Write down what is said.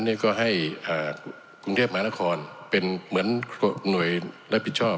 นี่ก็ให้กรุงเทพมหานครเป็นเหมือนหน่วยรับผิดชอบ